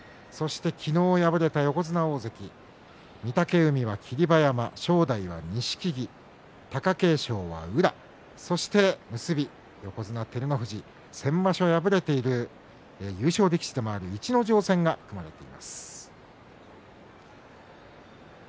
昨日、敗れた横綱大関御嶽海は霧馬山、正代は錦木、貴景勝は宇良そして結び横綱照ノ富士先場所敗れている優勝力士でもある逸ノ城戦が組まれています。